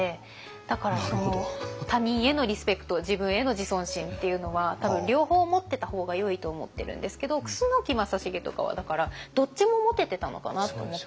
だから他人へのリスペクト自分への自尊心っていうのは多分両方持ってた方がよいと思ってるんですけど楠木正成とかはだからどっちも持ててたのかなって思って。